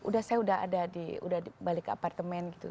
saya udah ada di udah balik ke apartemen gitu